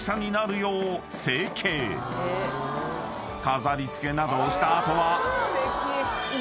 ［飾り付けなどをした後は］